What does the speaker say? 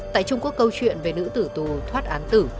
tại trung quốc câu chuyện về nữ tử tù thoát án tử